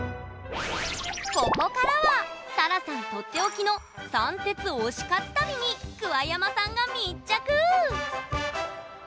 ここからはさらさんとっておきの三鉄推し活旅に桑山さんが密着！